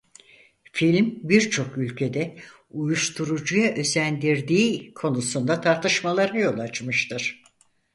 Film birçok ülkede uyuşturucuya özendirdiği konusunda tartışmalara yol açmıştır.